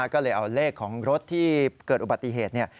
ก็เลยเอาเลขของรถที่เกิดอุบัติเหตุ